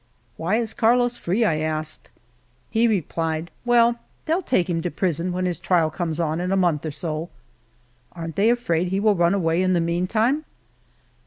'" "Why is Carlos free?" I asked. He replied :Well, they'll take him to pris on when his trial comes on in a month or so." " Aren't they afraid he will run away in the meantime